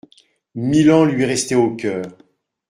Milan lui restait au coeur.